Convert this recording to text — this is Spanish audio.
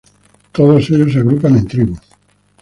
Todos ellos se agrupan en tribus.